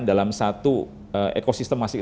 dalam satu ekosistem